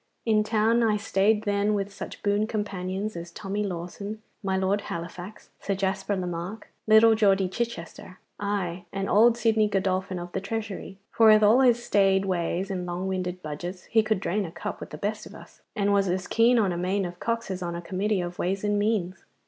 In town I stayed then with such boon companions as Tommy Lawson, my Lord Halifax, Sir Jasper Lemarck, little Geordie Chichester, aye, and old Sidney Godolphin of the Treasury; for with all his staid ways and long winded budgets he could drain a cup with the best of us, and was as keen on a main of cocks as on a committee of ways and means.